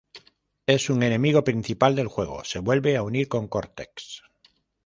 Es un enemigo principal del juego; se vuelve a unir con Cortex.